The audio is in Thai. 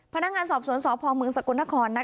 พนักงานสอบสวนสภมึงสกุณฑคร